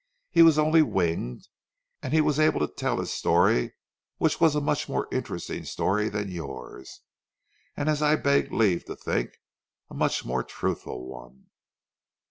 He was only winged, and he was able to tell his story which was a much more interesting story than yours, and as I beg leave to think, a much more truthful one."